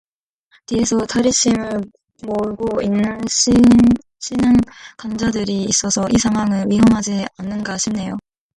뒤에서 다릿심을 모으고 있는 신흥 강자들이 있어서 이 상황은 위험하지 않은가 싶네요.